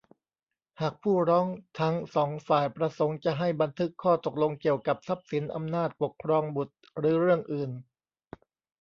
หากผู้ร้องทั้ง สอง ฝ่ายประสงค์จะให้บันทึกข้อตกลงเกี่ยวกับทรัพย์สิน อำนาจปกครองบุตร หรือเรื่องอื่น